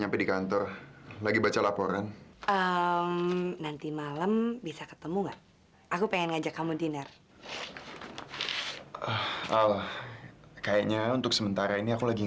tapi kamu gak boleh sampe gak makan kayak gitu dong